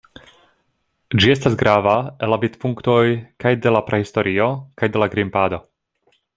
Ĝi estas grava el la vidpunktoj kaj de la prahistorio kaj de la grimpado.